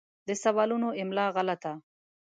د سوالو املا غلطه